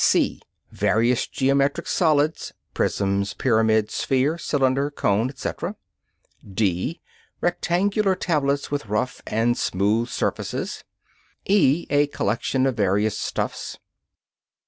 (c) Various geometric solids (prism, pyramid, sphere, cylinder, cone, etc.). (d) Rectangular tablets with rough and smooth surfaces. (e) A collection of various stuffs.